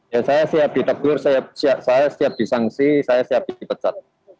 ya saya siap ditegur saya siap disangsi saya siap dipecat